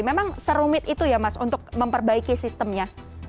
memang serumit itu ya mas untuk memperbaiki sistemnya